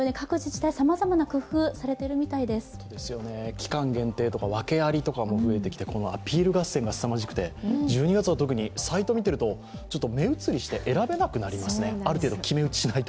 期間限定とかワケありとかも増えてきてこのアピール合戦がすさまじくて１２月は特にサイトを見てると目移りして選べなくなりますね、ある程度決め打ちしないと。